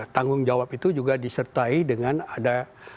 tanggung jawab itu juga disertai dengan ada